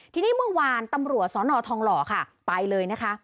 ทีนี้เมื่อวานตำรวจสนทองหล่อค่ะไปเลยนะคะ